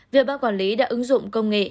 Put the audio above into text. việc ba quản lý đã ứng dụng công nghệ